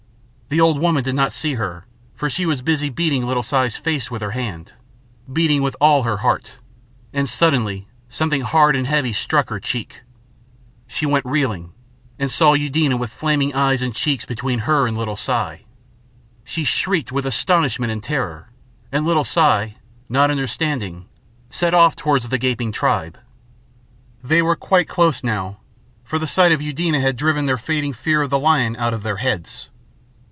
The old woman did not see her, for she was busy beating little Si's face with her hand, beating with all her heart, and suddenly something hard and heavy struck her cheek. She went reeling, and saw Eudena with flaming eyes and cheeks between her and little Si. She shrieked with astonishment and terror, and little Si, not understanding, set off towards the gaping tribe. They were quite close now, for the sight of Eudena had driven their fading fear of the lion out of their heads.